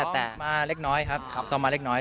แตะมาเล็กน้อยครับขับซ่อมมาเล็กน้อย